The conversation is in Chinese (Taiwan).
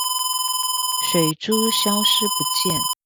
水珠消失不見